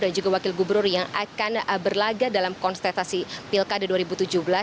dan juga wakil gubernur yang akan berlaga dalam konstetasi pilkada dua ribu tujuh belas